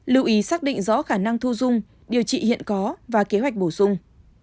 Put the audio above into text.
lưu ý xác định rõ khả năng thu dung điều trị hiện có và kế hoạch bổ sung